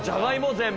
全部。